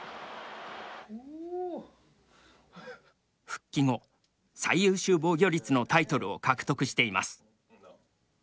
復帰後最優秀防御率のタイトルを獲得しています。